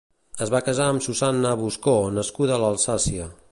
Es va casar amb Susanna Buscó, nascuda a l'Alsàcia.